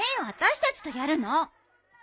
私たちとやるの。